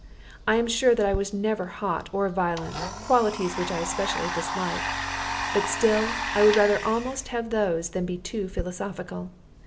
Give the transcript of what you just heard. I am sure that I never was hot or violent qualities which I especially dislike but still I would rather almost have those than be too philosophical.